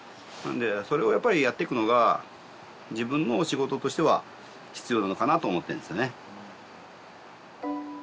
んでそれをやっぱりやっていくのが自分の仕事としては必要なのかなと思ってんですよね